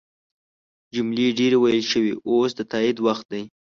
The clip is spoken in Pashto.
جملې ډیرې ویل شوي اوس د تایید وخت دی.